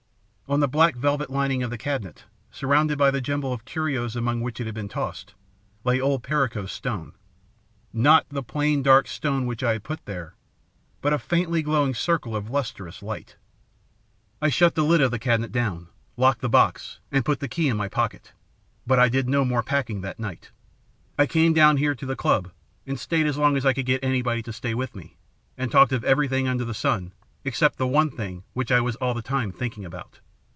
"On the black velvet lining of the cabinet, surrounded by the jumble of curios among which it had been tossed, lay old Perico's stone, not the plain, dark stone which I had put there, but a faintly glowing circle of lustrous light. "I shut the lid of the cabinet down, locked the box, and put the key in my pocket. But I did no more packing that night. I came down here to the Club, and stayed as long as I could get anybody to stay with me, and talked of everything under the sun except the one thing which I was all the time thinking about.